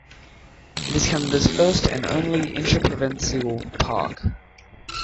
It is Canada's first and only interprovincial park.